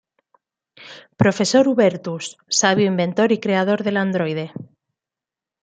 Profesor Hubertus: Sabio inventor y creador del androide.